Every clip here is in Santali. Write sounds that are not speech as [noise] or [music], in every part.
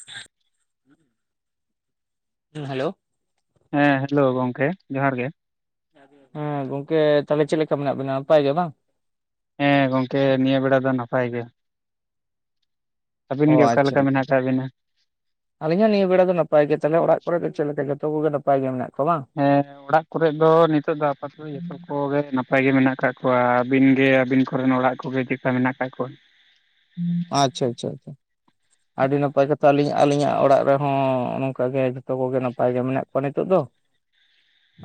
[inaudible] ᱦᱩᱸ ᱦᱮᱞᱳ᱾ ᱦᱮᱸ ᱦᱮᱞᱳ ᱜᱚᱢᱠᱮ ᱡᱚᱦᱟᱨ ᱜᱮ᱾ ᱦᱮᱸ ᱜᱚᱝᱠᱮ ᱛᱟᱦᱚᱞᱮ ᱪᱮᱫ ᱞᱮᱠᱟ ᱢᱮᱱᱟᱜ ᱵᱤᱱᱟ ᱱᱟᱯᱟᱭ ᱜᱮ ᱵᱟᱝ? ᱦᱮᱸ ᱜᱚᱝᱠᱮ ᱱᱤᱭᱟᱹ ᱵᱮᱲᱟ ᱫᱚ ᱱᱟᱯᱟᱭ ᱜᱮ᱾ ᱟᱹᱵᱤᱱ ᱚᱻ ᱜᱮ ᱚᱠᱟ ᱟᱪᱪᱷᱟ ᱞᱮᱠᱟ ᱟᱪᱷᱟ᱾ ᱢᱮᱱᱟᱜ ᱟᱠᱟᱫ ᱵᱤᱱᱟ ᱟᱹᱞᱤᱧ ᱦᱚᱸ ᱱᱤᱭᱟᱹ ᱵᱮᱲᱟ ᱫᱚ ᱱᱟᱯᱟᱭ ᱜᱮ ᱛᱟᱞᱦᱮ ᱚᱲᱟᱜ ᱠᱚᱨᱮ ᱫᱚ ᱪᱮᱫ ᱞᱮᱠᱟ ᱡᱚᱛᱚ ᱠᱚᱜᱮ ᱱᱟᱯᱟᱭ ᱜᱮ ᱢᱮᱱᱟᱜ ᱠᱚᱣᱟ ᱵᱟᱝ? ᱦᱮᱸ᱾ ᱚᱲᱟᱜ ᱠᱚᱨᱮᱫ ᱫᱚ ᱱᱤᱛᱚᱜ ᱫᱚ ᱟᱯᱟᱛᱚᱛᱚ ᱡᱚᱛᱚ ᱠᱚᱜᱮ ᱱᱟᱯᱟᱭ ᱜᱮ ᱢᱮᱱᱟᱜ ᱟᱠᱟᱫ ᱠᱚᱣᱟ ᱟᱹᱵᱤᱱᱜᱮ ᱟᱹᱵᱤᱱ ᱠᱚᱨᱮᱱ ᱚᱲᱟᱜ ᱩᱱᱠᱩᱜᱮ ᱪᱮᱫᱠᱟ ᱢᱮᱱᱟᱜ ᱟᱠᱟᱫ ᱠᱚᱣᱟ? ᱟᱪᱷᱟ ᱟᱪᱷᱟ ᱟᱪᱷᱟ᱾ ᱟᱹᱰᱤ ᱱᱟᱯᱟᱭ ᱠᱟᱛᱷᱟ ᱟᱹᱞᱤᱧ ᱟᱹᱞᱤᱧᱟᱜ ᱚᱲᱟᱜ ᱨᱮᱦᱚᱸ ᱱᱚᱝᱠᱟᱜᱮ ᱡᱷᱚᱛᱚ ᱠᱚᱜᱮ ᱱᱟᱯᱟᱭ ᱜᱮ ᱢᱮᱱᱟᱜ ᱠᱚᱣᱟ ᱱᱤᱛᱚᱜ ᱫᱚ᱾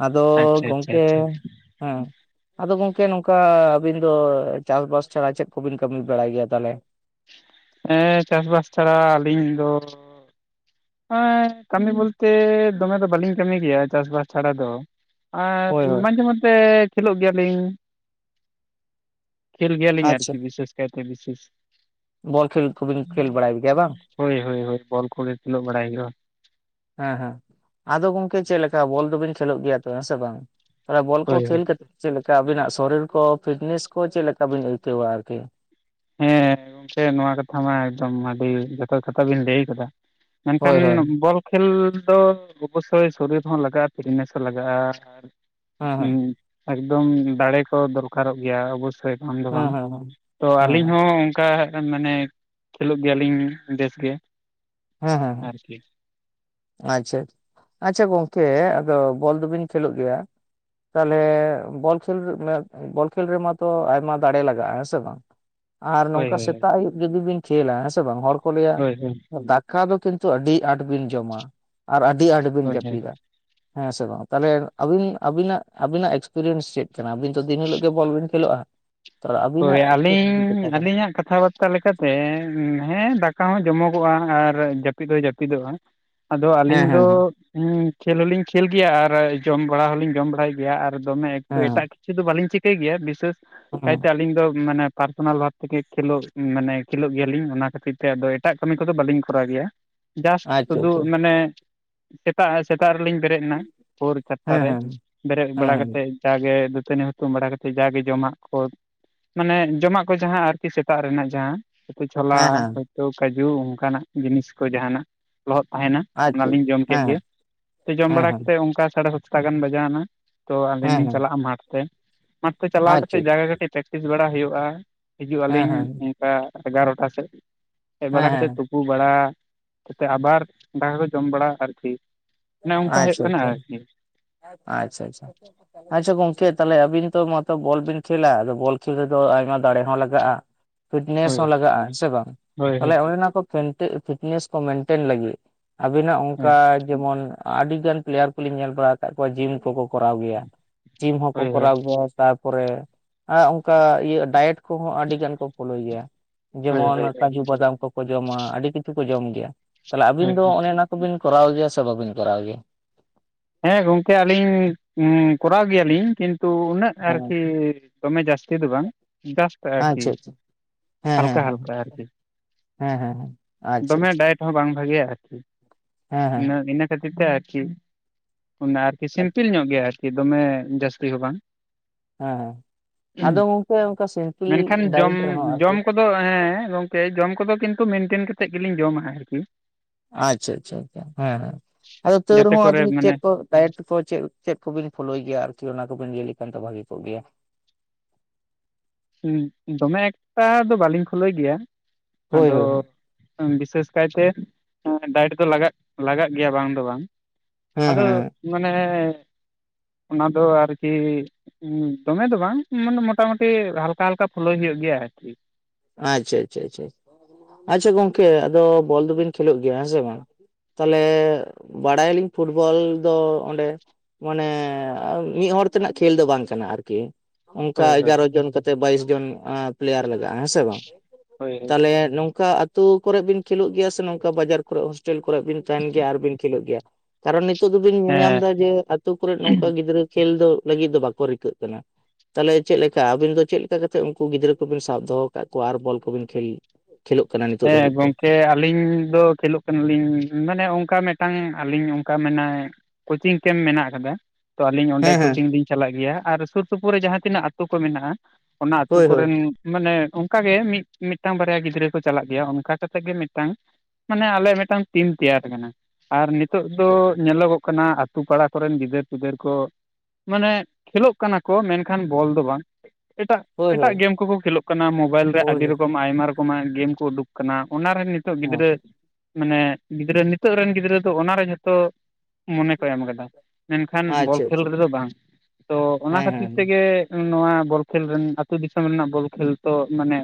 ᱟᱫᱚ ᱟᱪᱪᱷᱟ ᱟᱪᱪᱷᱟ ᱜᱚᱝᱠᱮ ᱟᱪᱪᱷᱟ ᱦᱮᱸ ᱟᱫᱚ ᱜᱚᱝᱠᱮ ᱱᱚᱝᱠᱟ ᱟᱹᱵᱤᱱ ᱫᱚ ᱪᱟᱥ-ᱵᱟᱥ ᱪᱷᱟᱲᱟ ᱪᱮᱫ ᱠᱚᱵᱤᱱ ᱠᱟᱹᱢᱤ ᱵᱟᱲᱟᱭ ᱜᱮᱭᱟ ᱛᱟᱦᱚᱞᱮ? ᱦᱮᱸ ᱪᱟᱥ-ᱵᱟᱥ ᱪᱷᱟᱲᱟ ᱟᱹᱞᱤᱧ ᱫᱚ ᱦᱮᱸ ᱠᱟᱹᱢᱤ ᱵᱚᱞᱛᱮ ᱫᱚᱢᱮ ᱫᱚ ᱵᱟᱹᱞᱤᱧ ᱠᱟᱹᱢᱤ ᱜᱮᱭᱟ ᱪᱟᱥ-ᱵᱟᱥ ᱪᱷᱟᱲᱟ ᱫᱚ᱾ ᱟᱨ ᱦᱳᱭ ᱦᱳᱭ ᱢᱟᱡᱷᱮ ᱢᱚᱫᱽᱫᱷᱮ ᱠᱷᱮᱞᱳᱜ ᱜᱮᱭᱟᱞᱤᱧ ᱠᱷᱮᱞ ᱜᱮᱭᱟᱞᱤᱧ ᱟᱪᱪᱷᱟ ᱟᱨᱠᱤ ᱵᱤᱥᱮᱥ ᱠᱟᱭᱛᱮ ᱵᱤᱥᱮᱥ ᱵᱚᱞ ᱠᱷᱮᱞ ᱠᱚᱵᱤᱱ ᱠᱷᱮᱞ ᱵᱟᱲᱟᱭ ᱜᱮᱭᱟ ᱵᱟᱝ? ᱦᱳᱭ ᱦᱳᱭ ᱦᱳᱭ ᱵᱚᱞ ᱠᱚᱜᱮ ᱠᱷᱤᱞᱳᱜ ᱵᱟᱲᱟᱭ ᱦᱩᱭᱩᱜ-ᱟ᱾ ᱦᱮᱸ ᱦᱮᱸ ᱟᱫᱚ ᱜᱚᱝᱠᱮ ᱪᱮᱫ ᱞᱮᱠᱟ ᱵᱚᱞ ᱫᱚᱵᱤᱱ ᱠᱷᱮᱞᱳᱜ ᱜᱮᱭᱟ ᱛᱚ ᱦᱮᱸ ᱥᱮ ᱵᱟᱝ? ᱮᱸ ᱵᱚᱞ ᱠᱚ ᱦᱳᱭ ᱦᱳᱭ ᱠᱷᱮᱞ ᱠᱟᱛᱮᱫ ᱪᱮᱫ ᱞᱮᱠᱟ ᱟᱵᱤᱱᱟᱜ ᱥᱚᱨᱤᱨ ᱠᱚ ᱯᱷᱤᱴᱱᱮᱥ ᱠᱚ ᱪᱮᱫ ᱞᱮᱠᱟ ᱵᱤᱱ ᱟᱹᱭᱠᱟᱹᱣᱟ ᱟᱨᱠᱤ? ᱦᱮᱸ ᱜᱚᱢᱠᱮ ᱱᱚᱣᱟ ᱠᱟᱛᱷᱟ ᱢᱟ ᱮᱠᱫᱚᱢ ᱟᱹᱰᱤ ᱡᱚᱛᱷᱟᱛ ᱠᱟᱛᱷᱟ ᱵᱤᱱ ᱞᱟᱹᱭ ᱟᱠᱟᱫᱟ᱾ ᱦᱳᱭ ᱢᱮᱱᱠᱷᱟᱱ ᱦᱳᱭ ᱵᱚᱞ ᱠᱷᱮᱞ ᱫᱚ ᱚᱵᱚᱥᱳᱭ ᱥᱚᱨᱤᱨ ᱦᱚᱸ ᱞᱟᱜᱟᱜ-ᱟ ᱯᱷᱤᱴᱱᱮᱥ ᱦᱚᱸ ᱞᱟᱜᱟᱜ-ᱟ ᱟᱨ ᱦᱮᱸ ᱦᱮᱸ ᱦᱩᱸ ᱮᱠᱫᱚᱢ ᱫᱟᱲᱮ ᱠᱚ ᱫᱚᱨᱠᱟᱨ-ᱚᱜ ᱜᱮᱭᱟ ᱚᱵᱚ [unintelligible] ᱫᱚ ᱦᱮᱸ ᱵᱟᱝ ᱦᱮᱸ ᱦᱮᱸ ᱛᱚ ᱟᱨ ᱦᱮᱸ ᱦᱚᱸ ᱚᱱᱠᱟ ᱦᱟᱸ ᱠᱷᱟᱱ ᱢᱟᱱᱮ ᱥᱩᱞᱩᱠ ᱜᱮᱭᱟᱞᱤᱧ ᱵᱮᱥ ᱜᱮ᱾ ᱦᱮᱸ ᱦᱮᱸ ᱟᱨᱠᱤ ᱟᱪᱪᱷᱟ, ᱟᱪᱪᱷᱟ ᱜᱚᱝᱠᱮ ᱟᱫᱚ ᱵᱚᱞ ᱫᱚᱵᱤᱱ ᱠᱷᱮᱞᱳᱜ ᱜᱮᱭᱟ᱾ ᱛᱟᱦᱚᱞᱮ ᱵᱚᱞ ᱠᱷᱮᱞ ᱵᱚᱞ ᱠᱷᱮᱞ ᱨᱮᱢᱟ ᱛᱚ ᱟᱭᱢᱟ ᱫᱟᱲᱮ ᱞᱟᱜᱟᱜ-ᱟ ᱦᱮᱸ ᱥᱮ ᱵᱟᱝ᱾ ᱟᱨ ᱦᱳᱭ ᱱᱚᱝᱠᱟ ᱦᱳᱭ ᱥᱮᱛᱟᱜ ᱟᱹᱭᱩᱵ ᱡᱩᱫᱤ ᱵᱤᱱ ᱠᱷᱮᱞᱟ ᱦᱮᱸ ᱥᱮ ᱵᱟᱝ ᱦᱚᱲ ᱠᱚ ᱞᱟᱹᱭᱟ ᱦᱳᱭ ᱦᱳᱭ ᱫᱟᱠᱟ ᱫᱚ ᱠᱤᱱᱛᱩ ᱟᱹᱰᱤ ᱟᱸᱴ ᱵᱤᱱ ᱡᱚᱢᱟ ᱟᱨ ᱟᱹᱰᱤ ᱟᱸᱴ ᱵᱤᱱ ᱦᱳᱭ ᱦᱳᱭ ᱡᱟᱹᱯᱤᱫᱟ᱾ ᱦᱮᱸ ᱥᱮ ᱵᱟᱝ ᱛᱟᱦᱚᱞᱮ ᱟᱵᱤᱱ ᱟᱵᱤᱱᱟᱜ ᱟᱵᱤᱱᱟᱜ ᱮᱠᱥᱯᱤᱨᱤᱭᱮᱟᱱᱥ ᱪᱮᱫ? ᱟᱹᱵᱤᱱ ᱫᱚ ᱫᱤᱱ ᱦᱤᱞᱳᱜ ᱜᱮ ᱵᱚᱞ ᱵᱤᱱ ᱠᱷᱮᱞᱳᱜᱼᱟ᱾ ᱛᱟᱦᱚᱞᱮ ᱦᱳᱭ ᱟᱹᱵᱤᱱᱟᱜ ᱪᱮᱫ ᱚᱵᱷᱤᱜᱚᱛᱟ ᱟᱹᱞᱤᱧ ᱠᱟᱱᱟ ᱟᱹᱞᱤᱧᱟᱜ ᱠᱟᱛᱷᱟ ᱵᱟᱛᱟ [inaudible] ᱞᱮᱠᱟᱛᱮ ᱦᱮᱸ ᱫᱟᱠᱟ ᱦᱚᱸ ᱡᱚᱢᱚᱜᱚᱜᱼᱟ ᱟᱨ ᱡᱟᱹᱯᱤᱫ ᱦᱚᱸ ᱡᱟᱹᱯᱤᱫᱚᱜᱼᱟ᱾ ᱟᱫᱚ ᱦᱮᱸ ᱟᱹᱞᱤᱧ ᱫᱚ ᱦᱮᱸ ᱦᱮᱸ ᱦᱩᱸ ᱠᱷᱮᱞ ᱦᱚᱞᱤᱧ ᱠᱷᱮᱞ ᱜᱮᱭᱟ ᱟᱨ ᱡᱚᱢ ᱵᱟᱲᱟ ᱦᱚᱞᱤᱧ ᱡᱚᱢ ᱵᱟᱲᱟᱭ ᱜᱮᱭᱟ ᱟᱨ ᱫᱚᱢᱮ ᱮᱴᱟᱜ ᱦᱮᱸ ᱠᱤ ᱪᱷᱩ ᱫᱚ ᱵᱟᱹᱞᱤᱧ ᱪᱤᱠᱟᱹᱭ ᱜᱮᱭᱟ ᱵᱤᱥᱟᱥ [inaudible] ᱟᱹᱞᱤᱧ ᱫᱚ ᱢᱟᱱᱮ ᱯᱟᱨᱥᱚᱱᱟᱞ ᱵᱷᱟᱵ ᱛᱮᱜᱮ ᱠᱷᱮᱞᱳᱜ ᱢᱟᱱᱮ ᱠᱷᱮᱞᱳᱜ ᱜᱮᱭᱟᱞᱤᱧ ᱚᱱᱟ ᱠᱷᱟᱹᱛᱤᱨ ᱛᱮ‌ ᱟᱫᱚ ᱮᱴᱟᱜ ᱠᱟᱹᱢᱤ ᱠᱚᱫᱚ ᱵᱟᱹᱞᱤᱧ ᱠᱚᱨᱟᱣ ᱜᱮᱭᱟ᱾ ᱡᱟᱥᱴ ᱟᱪᱪᱷᱟ ᱥᱩᱫᱩ ᱟᱪᱪᱷᱟ ᱢᱟᱱᱮ ᱥᱮᱛᱟᱜ ᱥᱮᱛᱟᱜ ᱨᱮᱞᱤᱧ ᱵᱮᱨᱮᱫ ᱮᱱᱟ ᱵᱷᱳᱨ ᱦᱮᱸ ᱪᱟᱴᱴᱟᱨᱮ ᱦᱮᱸ ᱵᱮᱨᱮᱫ ᱦᱮᱸ ᱵᱟᱲᱟ ᱦᱮᱸ ᱠᱟᱛᱮᱫ ᱡᱟᱜᱮ ᱫᱟᱹᱛᱟᱹᱱᱤ ᱦᱩᱛᱩᱢ ᱵᱟᱲᱟ ᱠᱟᱛᱮᱫ ᱡᱟᱜᱮ ᱡᱚᱢᱟᱜ ᱠᱚ ᱢᱟᱱᱮ ᱡᱚᱢᱟᱜ ᱠᱚ ᱡᱟᱸᱦᱟᱸ ᱟᱨᱠᱤ ᱥᱮᱛᱟᱜ ᱨᱮᱱᱟᱜ ᱡᱟᱦᱟᱸ [inaudible] ᱪᱷᱚᱞᱟ ᱦᱮᱸ ᱦᱮᱸ [inaudible] ᱠᱟᱹᱡᱩ ᱚᱱᱠᱟᱱᱟᱜ ᱡᱤᱱᱤᱥ ᱠᱚ ᱡᱟᱦᱟᱱᱟᱜ ᱞᱚᱦᱚᱫ ᱛᱟᱦᱮᱱᱟ ᱟᱪᱪᱷᱟ ᱚᱱᱟᱞᱤᱧ ᱡᱚᱢ ᱦᱮᱸ ᱠᱮᱫ ᱜᱮ ᱦᱮᱸ ᱛᱚ ᱡᱚᱢ ᱦᱮᱸ ᱵᱟᱲᱟ ᱦᱮᱸ ᱠᱟᱛᱮᱫ ᱚᱱᱠᱟ ᱥᱟᱲᱮ ᱥᱟᱛ ᱴᱟ ᱜᱟᱱ ᱵᱟᱡᱟᱣ ᱮᱱᱟ, ᱛᱚ ᱟᱹᱞᱤᱧ ᱦᱮᱸ ᱞᱤᱧ ᱦᱮᱸ ᱪᱟᱞᱟᱜᱼᱟ ᱢᱟᱴᱷ ᱛᱮ ᱢᱟᱴᱷ ᱛᱮ ᱪᱟᱞᱟᱣ ᱠᱟᱛᱮ ᱟᱪᱪᱷᱟ ᱦᱮᱸ ᱡᱟᱭᱜᱟ ᱠᱟᱹᱴᱤᱡ ᱯᱮᱠᱴᱤᱥ ᱵᱟᱲᱟ ᱦᱩᱭᱩᱜᱼᱟ, ᱦᱤᱡᱩᱜ ᱟᱹᱞᱤᱧ ᱦᱮᱸ ᱚᱱᱠᱟ ᱮᱜᱟᱨᱚᱴᱟ ᱥᱮᱫ ᱦᱮᱡ ᱦᱮᱸ ᱵᱟᱲᱟ ᱠᱟᱛᱮ ᱦᱮᱸ ᱛᱩᱯᱩ ᱵᱟᱲᱟ ᱠᱟᱛᱮ ᱟᱵᱟᱨ ᱫᱟᱠᱟ ᱠᱚ ᱡᱚᱢ ᱵᱟᱲᱟ ᱟᱨᱠᱤ ᱚᱱᱮ ᱚᱱᱠᱟ ᱦᱩᱭᱩᱜ ᱟᱪᱪᱷᱟ ᱠᱟᱱᱟ ᱟᱪᱪᱷᱟ ᱟᱨ ᱠᱤ᱾ ᱟᱪᱪᱷᱟ ᱟᱪᱪᱷᱟ᱾ ᱟᱪᱪᱷᱟ, ᱜᱚᱝᱠᱮ ᱛᱟᱦᱚᱞᱮ ᱟᱵᱤᱱ ᱛᱚ ᱢᱟᱛᱚ ᱵᱚᱞ ᱵᱤᱱ ᱠᱷᱮᱞᱟ ᱟᱫᱚ ᱵᱚᱞ ᱠᱷᱮᱞ ᱨᱮᱫᱚ ᱟᱭᱢᱟ ᱫᱟᱲᱮ ᱦᱚᱸ ᱞᱟᱜᱟᱜᱼᱟ᱾ ᱯᱷᱤᱴᱱᱮᱥ ᱦᱳᱭ ᱦᱚᱸ ᱞᱟᱜᱟᱜᱼᱟ ᱦᱮ ᱥᱮ ᱵᱟᱝ ᱦᱳᱭ ᱦᱳᱭ ᱛᱟᱦᱚᱞᱮ ᱚᱱᱮ ᱚᱱᱟ ᱠᱚ ᱯᱷᱤᱴᱱᱮᱥ ᱠᱚ ᱢᱮᱱᱴᱮᱱ ᱞᱟᱹᱜᱤᱫ ᱟᱵᱤᱱᱟᱜ ᱦᱳᱭ ᱚᱱᱠᱟ ᱡᱮᱢᱚᱱ ᱟᱹᱰᱤ ᱜᱟᱱ ᱯᱮᱞᱮᱭᱟᱨ ᱠᱚᱞᱤᱧ ᱧᱮᱞ ᱵᱟᱲᱟ ᱟᱠᱟᱫ ᱠᱚᱣᱟ ᱡᱤᱢ ᱠᱚᱠᱚ ᱠᱚᱨᱟᱣ ᱜᱮᱭᱟ, ᱡᱤᱢ ᱦᱚᱸᱠᱚ ᱦᱳᱭ ᱦᱳᱭ ᱠᱚᱨᱟᱣ ᱜᱮᱭᱟ ᱛᱟᱯᱚᱨᱮ ᱚᱱᱠᱟ ᱤᱭᱟᱹ ᱰᱟᱭᱮᱴ ᱠᱚᱦᱚᱸ ᱟᱹᱰᱤ ᱜᱟᱱ ᱠᱚ ᱯᱷᱳᱚᱞᱳᱭ ᱜᱮᱭᱟ ᱦᱳᱭ ᱡᱮᱢᱚᱱ ᱦᱳᱭ ᱦᱳᱭ ᱠᱟᱡᱩ ᱵᱟᱫᱟᱢ ᱠᱚ ᱠᱚ ᱡᱚᱢᱟ ᱟᱹᱰᱤ ᱠᱤᱪᱷᱩ ᱠᱚ ᱡᱚᱢ ᱜᱮᱭᱟ ᱛᱟᱦᱚᱞᱮ ᱟᱹᱵᱤᱱ ᱦᱳᱭ ᱫᱚ ᱚᱱᱮ ᱚᱱᱟ ᱠᱚᱵᱮᱱ ᱠᱚᱨᱟᱣ ᱜᱮᱭᱟ ᱥᱮ ᱵᱟᱵᱤᱱ ᱠᱚᱨᱟᱣ ᱜᱮᱭᱟ᱾ ᱦᱮᱸ ᱜᱚᱝᱠᱮ ᱟᱹᱞᱤᱧ ᱠᱚᱨᱟᱣ ᱜᱮᱭᱟᱞᱤᱧ ᱠᱤᱱᱛᱩ ᱩᱱᱟᱹᱜ ᱟᱨᱠᱤ ᱦᱮᱸ ᱫᱚᱢᱮ ᱡᱟᱹᱥᱛᱤ ᱫᱚ ᱵᱟᱝ ᱡᱟᱥᱴ ᱟᱨ ᱠᱤ᱾ ᱪᱮᱫ ᱦᱮᱸ ᱦᱮᱸ ᱦᱟᱞᱠᱟ ᱦᱮᱸ ᱦᱟᱞᱠᱟ ᱟᱨᱠᱤ᱾ ᱦᱮᱸ ᱦᱮᱸ ᱦᱮᱸ ᱟᱪᱪᱷᱟ ᱫᱚᱢᱮ ᱟᱪᱪᱷᱟ ᱰᱟᱭᱮᱴ ᱦᱚᱸ ᱵᱟᱝ ᱵᱷᱟᱜᱮᱭᱟ ᱟᱨᱠᱤ ᱦᱮᱸ ᱦᱮᱸ ᱤᱱᱟᱹ ᱠᱷᱟᱹᱛᱤᱨ ᱛᱮ ᱟᱨᱠᱤ᱾ ᱚᱱᱟ ᱟᱨᱠᱤ ᱥᱤᱢᱯᱤᱞ ᱧᱚᱜ ᱜᱮᱭᱟ ᱟᱨᱠᱤ ᱫᱚᱢᱮ ᱡᱟᱹᱥᱛᱤ ᱦᱚᱸ ᱵᱟᱝ᱾ ᱦᱮᱸ ᱟᱫᱚ ᱜᱚᱝᱠᱮ ᱚᱱᱠᱟ ᱥᱤᱢᱯᱤᱞ ᱰᱟᱭᱮᱴ ᱨᱮᱦᱚᱸ ᱟᱨᱠᱤ ᱫᱚ ᱦᱮᱸ ᱦᱮᱸ ᱜᱚᱝᱠᱮ ᱡᱚᱢ ᱠᱚᱫᱚ ᱠᱤᱱᱛᱩ ᱢᱮᱱᱴᱮᱱ ᱠᱟᱛᱮᱜ ᱜᱮᱞᱤᱧ ᱡᱚᱢᱟ ᱟᱨᱠᱤ᱾ ᱟᱪᱪᱷᱟ ᱟᱪᱪᱷᱟ ᱦᱮᱸ ᱦᱮᱸ ᱟᱫᱚ ᱛᱟᱹᱨ ᱡᱟᱛᱮ ᱨᱮᱦᱚᱸ ᱠᱚᱨᱮ ᱟᱫᱚ ᱢᱟᱱᱮ ᱪᱮᱫ ᱠᱚ᱾ ᱰᱟᱭᱮᱴ ᱠᱚ ᱪᱮᱫ ᱪᱮᱫ ᱠᱚᱵᱤᱱ ᱯᱷᱳᱞᱳᱭ ᱜᱮᱭᱟ ᱟᱨᱠᱤ ᱚᱱᱟ ᱠᱚᱵᱤᱱ ᱞᱟᱹᱭ ᱞᱮᱠᱷᱟᱱ ᱫᱚ ᱵᱷᱟᱜᱤ ᱠᱚᱜ ᱜᱮᱭᱟ᱾ ᱦᱚᱸ ᱫᱚᱢᱮ ᱮᱠᱴᱟ ᱫᱚ ᱵᱟᱹᱞᱤᱧ ᱯᱷᱳᱞᱳᱭ ᱜᱮᱭᱟ ᱦᱳᱭ ᱟᱫᱚ ᱦᱳᱭ ᱦᱳᱭ ᱦᱩᱸ ᱵᱤᱥᱮᱥ ᱠᱟᱭᱛᱮ ᱰᱟᱭᱤᱴ ᱫᱚ ᱞᱟᱜᱟᱜ ᱞᱟᱜᱟᱜ ᱜᱮᱭᱟ ᱵᱟᱝ ᱫᱚ ᱵᱟᱝ᱾ ᱦᱮᱸ ᱟᱫᱚᱜ ᱦᱮᱸ ᱢᱟᱱᱮ ᱚᱱᱟ ᱫᱚ ᱟᱨᱠᱤ ᱫᱚᱢᱮ ᱫᱚ ᱵᱟᱝ ᱢᱟᱱᱮ ᱢᱚᱴᱟ ᱢᱩᱴᱤ ᱦᱟᱞᱠᱟ ᱦᱟᱞᱠᱟ ᱯᱷᱩᱞᱚᱭ ᱦᱩᱭᱩᱜ ᱜᱮᱭᱟ ᱟᱨᱠᱤ ᱾ ᱟᱪᱪᱷᱟ ᱟᱪᱪᱷᱟ ᱟᱪᱪᱷᱟ, ᱟᱪᱪᱷᱟ ᱜᱚᱝᱠᱮ ᱟᱫᱚ ᱵᱚᱞ ᱫᱚᱵᱤᱱ ᱠᱷᱮᱞᱚᱜ ᱜᱮᱭᱟ ᱦᱮᱸ ᱥᱮ ᱵᱟᱝ? ᱛᱟᱦᱞᱮ ᱵᱟᱲᱟᱭᱟᱞᱤᱧ ᱯᱷᱩᱴᱵᱚᱞ ᱫᱚ ᱚᱸᱰᱮ ᱢᱟᱱᱮ ᱢᱤᱫ ᱦᱚᱲ ᱛᱮᱱᱟᱜ ᱠᱷᱮᱞ ᱫᱚ ᱵᱟᱝ ᱠᱟᱱᱟ ᱟᱨᱠᱤ ᱚᱱᱠᱟ ᱦᱳᱭ ᱦᱳᱭ ᱮᱜᱟᱨᱚ ᱡᱚᱱ ᱠᱟᱛᱮᱜ ᱵᱟᱭᱤᱥ ᱡᱚᱱ ᱯᱮᱞᱮᱭᱟᱨ ᱞᱟᱜᱟᱜᱼᱟ ᱦᱮᱸ ᱥᱮ ᱵᱟᱝ? ᱦᱳᱭ ᱦᱳᱭ ᱛᱟᱦᱞᱮ ᱱᱚᱝᱠᱟ ᱟᱹᱛᱩ ᱠᱚᱨᱮᱜ ᱵᱤᱱ ᱠᱷᱮᱞᱚᱜ ᱜᱮᱭᱟ ᱥᱮ ᱱᱚᱝᱠᱟ ᱵᱟᱡᱟᱨ ᱠᱚᱨᱮᱜ ᱦᱚᱥ ᱴᱮᱞ ᱠᱚᱨᱮᱜ ᱵᱤᱱ ᱛᱟᱦᱮᱸᱱ ᱜᱮᱭᱟ ᱟᱨᱵᱤᱱ ᱠᱷᱮᱞᱚᱜ ᱜᱮᱭᱟ, ᱛᱟᱨᱚ ᱱᱤᱛᱩᱜ ᱫᱚᱵᱤᱱ ᱧᱮᱞᱧᱟᱢ ᱮᱫᱟ ᱦᱮᱸ ᱡᱮ, ᱟᱛ ᱛᱩ ᱠᱚᱨᱮᱜ ᱱᱚᱝᱠᱟ ᱜᱤᱫᱽᱨᱟᱹ ᱠᱷᱮᱞ ᱫᱚ ᱞᱟᱹᱜᱤᱫ ᱫᱚ ᱵᱟᱠᱚ ᱨᱤᱠᱟᱹᱜ ᱠᱟᱱᱟ ᱾ ᱛᱟᱦᱞᱮ ᱪᱮᱫ ᱞᱮᱠᱟ ᱟᱹᱵᱤᱱ ᱫᱚ ᱪᱮᱫ ᱞᱮᱠᱟ ᱠᱟᱛᱮᱫ ᱩᱱᱠᱩ ᱜᱤᱫᱽᱨᱟᱹ ᱠᱚᱵᱤᱱ ᱥᱟᱵ ᱫᱚᱦᱚ ᱟᱠᱟᱫ ᱠᱚᱣᱟ ᱟᱨ ᱵᱚᱞ ᱠᱚᱵᱤᱱ ᱠᱷᱮᱞ ᱠᱷᱮᱞᱚᱜ ᱠᱟᱱᱟ ᱱᱤᱛᱚᱜ ᱦᱮᱸ ᱫᱷᱟᱹᱵᱤᱡ ᱛᱮ ᱜᱚᱝ ᱠᱮ ᱟᱹᱞᱤᱧ ᱫᱚ ᱠᱷᱮᱞᱚᱜ ᱠᱟᱱᱟ ᱞᱤᱧ ᱢᱟᱱᱮ ᱚᱱᱠᱟ ᱢᱤᱫᱴᱟᱝ ᱟᱹᱞᱤᱧ ᱚᱱᱠᱟ ᱢᱮᱱᱟ ᱠᱚᱪᱤᱧ ᱠᱮᱢᱯ ᱢᱮᱱᱟᱜ ᱟᱠᱟᱫᱟ ᱾ ᱛᱚ ᱟᱹᱞᱤᱧ ᱚᱸᱰᱮ ᱦᱮᱸ ᱦᱮᱸ ᱠᱚᱪᱤᱧ ᱞᱤᱧ ᱪᱟᱞᱟᱜ ᱜᱮᱭᱟ, ᱟᱨ ᱥᱩᱨ ᱥᱩᱯᱩᱨ ᱨᱮ ᱡᱟᱦᱟᱸ ᱛᱤᱱᱟᱹᱜ ᱟᱹᱛᱩ ᱠᱚ ᱢᱮᱱᱟᱜᱼᱟ ᱾ ᱚᱱᱟ ᱟᱹᱛᱩ ᱦᱳᱭ ᱦᱳᱭ ᱠᱚᱨᱮᱱ ᱢᱟᱱᱮ ᱚᱱᱠᱟ ᱜᱮ ᱢᱤᱫ ᱢᱤᱫᱴᱟᱝ ᱵᱟᱨᱭᱟ ᱜᱤᱫᱽᱨᱟᱹ ᱠᱚ ᱪᱟᱞᱟᱜ ᱜᱮᱭᱟ ᱚᱱᱠᱟ ᱠᱟᱛᱮ ᱜᱮ ᱢᱤᱫᱴᱟᱝ, ᱢᱟᱱᱮ ᱟᱞᱮ ᱢᱤᱫᱴᱟᱝ ᱴᱤᱢ ᱛᱮᱭᱟᱨ ᱠᱟᱱᱟ ᱾ ᱟᱨ ᱱᱤᱛᱚᱜ ᱫᱚ ᱧᱮᱞᱚᱜᱚᱜ ᱠᱟᱱᱟ ᱟ ᱛᱩ ᱯᱟᱲᱟ ᱠᱚᱨᱮᱱ ᱜᱤᱫᱟᱹᱨ ᱯᱤᱫᱟᱹᱨ ᱠᱚ ᱢᱟᱱᱮ ᱠᱷᱮᱞᱚᱜ ᱠᱟᱱᱟ ᱠᱚ ᱢᱮᱱᱠᱷᱟᱱ ᱵᱚᱞ ᱫᱚ ᱵᱟᱝ ᱮᱴᱟᱜ ᱦᱳᱭ ᱦᱳᱭ ᱮᱴᱟᱜ ᱜᱮᱢ ᱠᱚᱠᱚ ᱠᱷᱮᱞᱚᱜ ᱠᱟᱱᱟ ᱢᱚᱵᱟᱭᱤᱞ ᱨᱮ ᱦᱳᱭ ᱟᱹᱰᱤ ᱨᱚᱠᱚᱢ ᱟᱭᱢᱟ ᱨᱚᱠᱚᱢᱟᱜ ᱜᱮᱢ ᱠᱚ ᱩᱰᱩᱠ ᱠᱟᱱᱟ ᱚᱱᱟᱨᱮ ᱱᱤᱛᱚᱜ ᱦᱳᱭ ᱜᱤᱫᱽᱨᱟᱹ ᱢᱟᱱᱮ ᱜᱤᱫᱽᱨᱟᱹ ᱱᱤᱛᱚᱜ ᱨᱮᱱ ᱜᱤᱫᱽᱨᱟᱹ ᱫᱚ ᱚᱱᱟᱨᱮ ᱡᱷᱚᱛᱚ ᱢᱚᱱᱮ ᱠᱚ ᱮᱢ ᱟᱠᱟᱫᱟ ᱢᱮᱱᱠᱟᱷᱟᱱ ᱵᱚᱞ ᱟᱪᱪᱷᱟ ᱠᱷᱮᱞ ᱟᱪᱪᱷᱟ ᱨᱮᱫᱚ ᱵᱟᱝ, ᱛᱚ ᱚᱱᱟ ᱦᱮᱸ ᱦᱮᱸ ᱛᱮᱜᱮ ᱱᱚᱣᱟ ᱵᱚᱞ ᱠᱷᱮᱞ ᱨᱮᱱ ᱟᱹᱛᱩ ᱫᱤᱥᱚᱢ ᱨᱮᱱᱟᱜ ᱵᱚᱞ ᱠᱷᱮᱞ ᱛᱚ ᱢᱟᱱᱮ